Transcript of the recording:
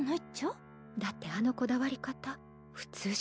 だってあのこだわり方普通じゃないわ。